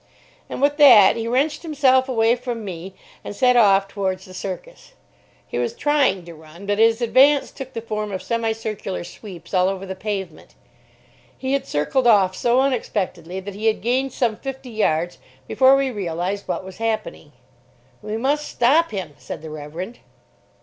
And with that he wrenched himself away from me and set off towards the Circus. He was trying to run, but his advance took the form of semi circular sweeps all over the pavement. He had circled off so unexpectedly that he had gained some fifty yards before we realised what was happening. "We must stop him," said the Reverend.